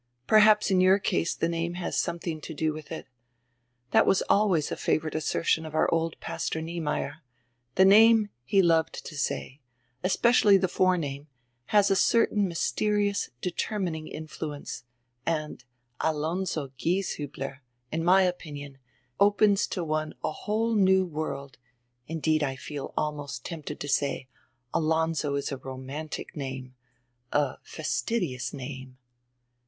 Perhaps in your case die name has somediing to do widi it That was always a favorite assertion of our old pastor Niemeyer. The name, he loved to say, especially die forename, has a certain mysterious determining influence; and Alonzo Gieshiibler, in my opinion, opens to one a whole new world, indeed I feel almost tempted to say, Alonzo is a romantic name, a fastidious name."